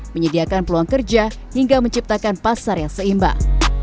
menyediakan peluang kerja hingga menciptakan pasar yang seimbang